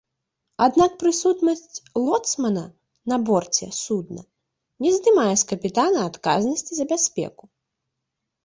Аднак прысутнасць лоцмана на борце судна не здымае з капітана адказнасці за бяспеку.